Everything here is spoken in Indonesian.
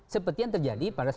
seperti yang terjadi pada